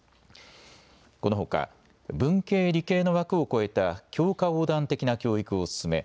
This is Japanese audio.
このほか文系・理系の枠を越えた教科横断的な教育を進め